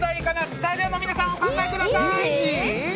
スタジオの皆さんお考えください。